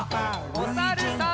おさるさん。